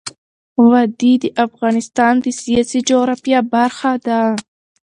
وادي د افغانستان د سیاسي جغرافیه برخه ده.